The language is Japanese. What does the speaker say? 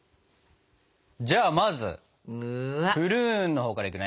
じゃあまずプルーンのほうからいくね。